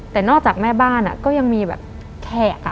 แต่นอกจากแม่บ้านก็ยังมีแบบแขก